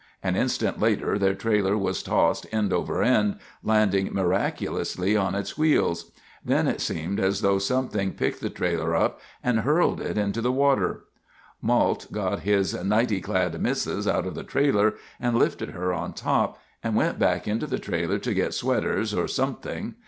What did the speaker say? An instant later their trailer was tossed end over end, landing, miraculously, on its wheels. Then it seemed as though something picked the trailer up and hurled it into the water. Mault got his "nightie clad missus" out of the trailer and lifted her on top, and went back into the trailer to get sweaters or something.